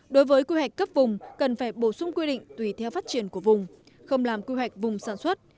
đối với quy hoạch cấp vùng cần phải bổ sung quy định tùy theo phát triển của vùng không làm quy hoạch vùng sản xuất